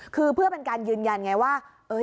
คือเพื่อเป็นการยืนยันไงว่า